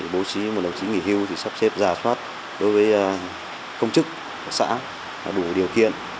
bố trí một đồng chí nghỉ hưu sắp xếp giả soát đối với công chức xã đủ điều kiện